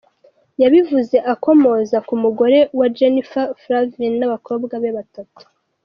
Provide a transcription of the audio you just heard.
Yabivuze akomoza ku mugore we Jennifer Flavin n’abakobwa be batatu.